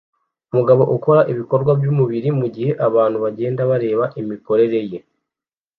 Umugabo akora ibikorwa byumubiri mugihe abantu bagenda bareba imikorere ye